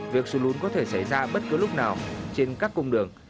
việc sụt lún có thể xảy ra bất cứ lúc nào trên các cung đường